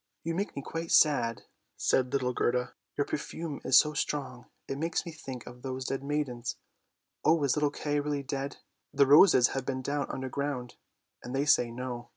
" You make me quite sad," said little Gerda; " your perfume is so strong it makes me think of those dead maidens. Oh, is little Kay really dead ? The roses have been down underground, and they say no."